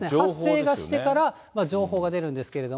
発生がしてから、情報が出るんですけれども。